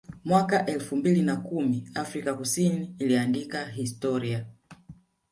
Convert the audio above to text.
Mwaka elfu mbili na kumi Afrika Kusini iliandika historia